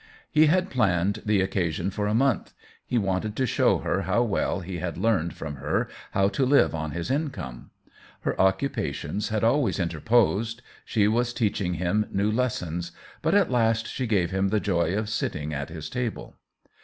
He had planned the oc casion for a month — he wanted to show her how well he had learned from her how to live on his income. Her occupations had always interposed — she was teaching him new lessons ; but at last she gave him the joy of sitting at his table.